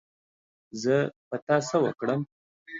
زه په تا څه وکړم